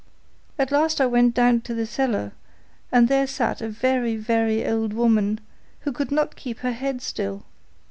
At last I went down to the cellar, and there sat a very, very old woman, who could not keep her head still.